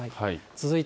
続いて。